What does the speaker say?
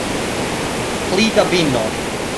Pli da vino